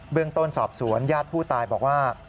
เรื่องต้นสอบสวนญาติผู้ตายบอกว่า